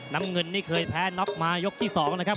น้ำเงินนี้ก็ครับอ่ะเลยนะครับ